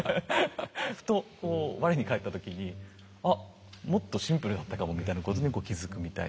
ふとこう我に返った時に「あっもっとシンプルだったかも」みたいなことにこう気付くみたいな。